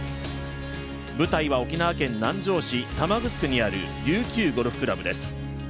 舞台は沖縄県南城市玉城にある琉球ゴルフ倶楽部です。